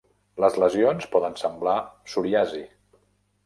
Les lesions poden semblar psoriasi.